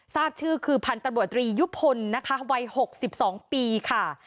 ทราบชื่อคือพันธุ์ตำรวจรียุพลวัย๖๒ปีค่ะ